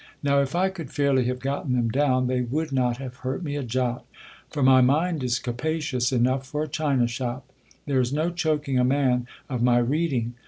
Now', if I could fairly have gotten them down, they would not have hurt me a jot; for my mind is capacious enough for a china shop. There is no choaking a man of my reading.